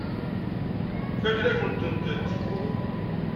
Fakken-akent-tent.